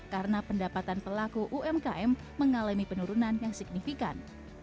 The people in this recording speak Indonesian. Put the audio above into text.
karena pendapatan pelaku umkm mengalami penurunan yang signifikan